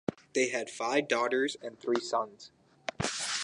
They had five daughters and three sons.